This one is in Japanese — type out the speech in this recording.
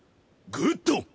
グッド！